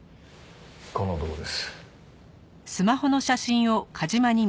この男です。